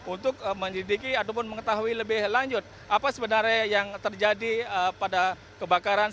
untuk menyelidiki ataupun mengetahui lebih lanjut apa sebenarnya yang terjadi pada kebakaran